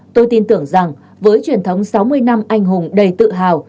tôi tin tưởng rằng với truyền thống sáu mươi năm anh hùng đầy tự hào